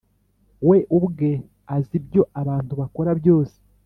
we ubwe azi ibyo abantu bakora byose